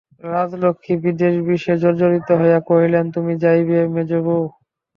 রাজলক্ষ্মী বিদ্বেষবিষে জর্জরিত হইয়া কহিলেন, তুমি যাইবে মেজোবউ?